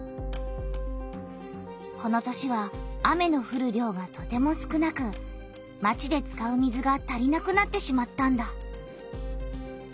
この年は雨のふる量がとても少なくまちで使う水が足りなくなってしまったんだ。